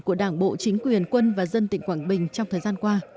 của đảng bộ chính quyền quân và dân tỉnh quảng bình trong thời gian qua